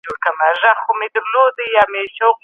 آیا دا پروسه د ټولنې په پرمختګ کي ونډه لري؟